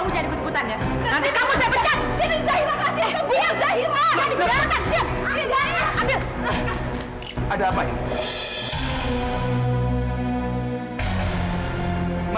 terima kasih zahira